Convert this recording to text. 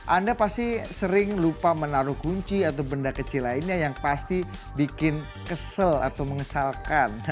anda pasti sering lupa menaruh kunci atau benda kecil lainnya yang pasti bikin kesel atau mengesalkan